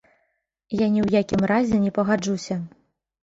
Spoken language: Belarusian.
Я ні ў якім разе не пагаджуся.